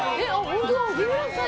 本当だ。